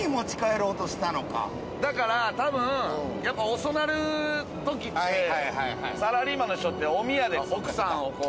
だから多分遅くなる時ってサラリーマンの人っておみやで奥さんをこう。